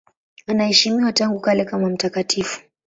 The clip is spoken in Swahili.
Anaheshimiwa tangu kale kama mtakatifu.